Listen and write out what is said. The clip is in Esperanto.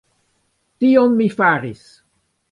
Tion mi faris.